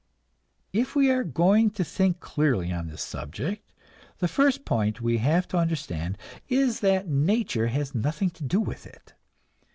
If we are going to think clearly on this subject, the first point we have to understand is that nature has nothing to do with it.